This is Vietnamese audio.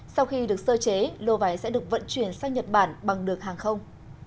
sau khi được sơ chế lô vải sẽ được vận chuyển sang nhật bản bằng đường hàng không